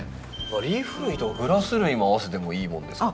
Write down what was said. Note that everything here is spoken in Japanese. リーフ類とグラス類も合わせてもいいもんですか？